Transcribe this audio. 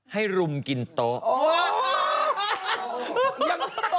ให้รุมกินโต๊ะ